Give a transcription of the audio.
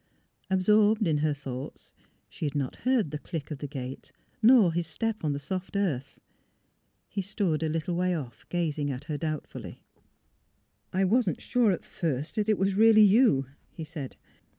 Absorbed in her thoughts, she had not heard the click of the gate nor his step on the soft earth. He stood, a little way off, gazing at her doubtfully. *' I — wasn't sure at first that it was really you," he said.